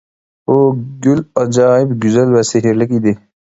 بۇ گۈل ئاجايىپ گۈزەل ۋە سېھىرلىك ئىدى.